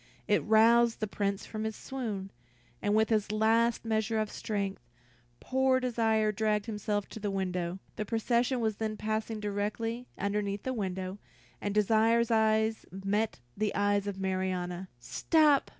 It roused the Prince from his swoon, and with his last measure of strength, poor Desire dragged himself to the window. The procession was then passing directly underneath the window, and Desire's eyes met the eyes of Marianna. "Stop!